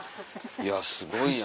いやすごいやん。